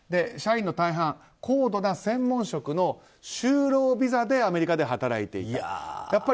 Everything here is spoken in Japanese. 社員の大半高度な専門職の就労ビザでアメリカで働いていた。